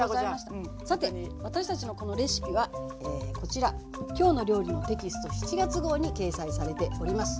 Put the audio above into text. さて私たちのこのレシピはこちら「きょうの料理」のテキスト７月号に掲載されております。